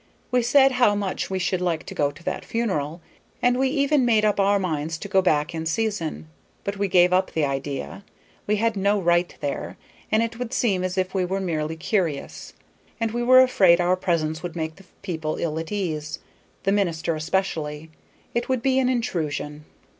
We said how much we should like to go to that funeral, and we even made up our minds to go back in season, but we gave up the idea: we had no right there, and it would seem as if we were merely curious, and we were afraid our presence would make the people ill at ease, the minister especially. It would be an intrusion.